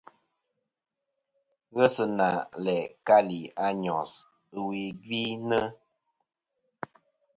Ghesina læ kalì a Nyos ɨwe gvi nɨ̀.